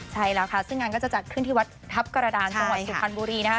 ใช่แล้วค่ะซึ่งงานก็จะจัดขึ้นที่วัดทัพกรดารส่วนสุภัณฑ์บุรีนะคะ